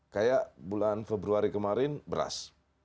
kayak bulan februari kemarin beras